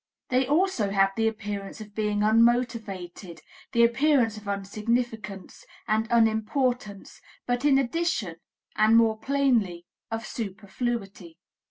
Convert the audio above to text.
They also have the appearance of being unmotivated, the appearance of insignificance and unimportance, but in addition, and more plainly, of superfluity.